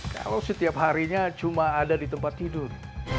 kalau setiap harinya cuma ada di tempat tidur